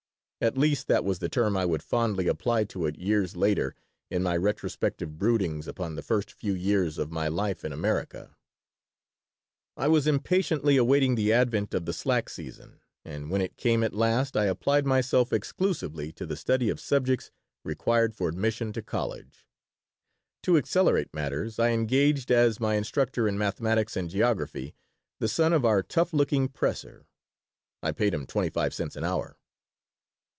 At least that was the term I would fondly apply to it, years later, in my retrospective broodings upon the first few years of my life in America I was impatiently awaiting the advent of the slack season, and when it came at last I applied myself exclusively to the study of subjects required for admission to college. To accelerate matters I engaged, as my instructor in mathematics and geography, the son of our tough looking presser. I paid him twenty five cents an hour.